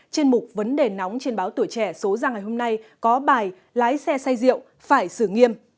trên mục vấn đề nóng trên báo tuổi trẻ số ra ngày hôm nay có bài lái xe xay rượu phải xử nghiêm